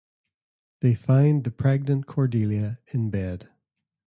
They find the pregnant Cordelia in bed.